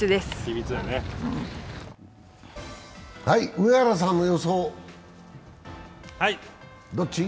上原さんの予想はどっち？